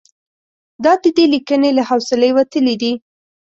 دا د دې لیکنې له حوصلې وتلي دي.